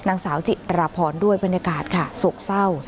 นางสาวจิราพรด้วยบรรยากาศค่ะโศกเศร้า